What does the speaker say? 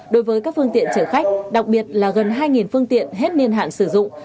đối với các phương tiện chở khách đặc biệt là gần hai phương tiện hết niên hạn sử dụng